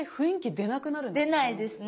出ないですね。